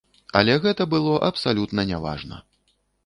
Але гэта было абсалютна няважна.